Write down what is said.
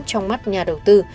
trong mắt nhà đầu tư